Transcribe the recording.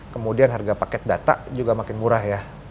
kemudian harga paket data juga makin murah ya